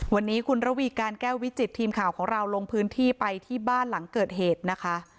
วันนี้คุณระวีการแก้ววิจิตทีมข่าวของเราลงพื้นที่ไปที่บ้านหลังเกิดเหตุนะคะ